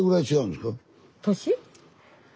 年？